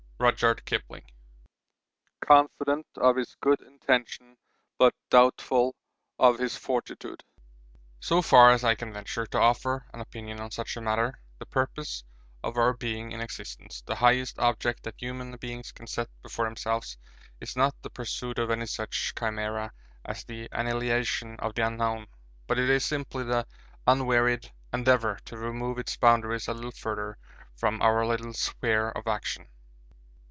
RUDYARD KIPLING. Confident of his good intentions but doubtful of his fortitude. 'So far as I can venture to offer an opinion on such a matter, the purpose of our being in existence, the highest object that human beings can set before themselves is not the pursuit of any such chimera as the annihilation of the unknown; but it is simply the unwearied endeavour to remove its boundaries a little further from our little sphere of action.'